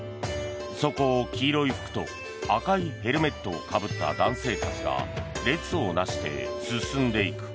そこを黄色い服と赤いヘルメットをかぶった男性たちが列を成して進んでいく。